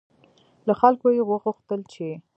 له خلکو یې وغوښتل چې